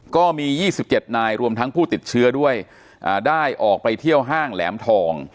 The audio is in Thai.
ก็มี๒๗นายรวมทั้งผู้ติดเชื้อด้วยได้ออกไปเที่ยวห้างแหลมทอง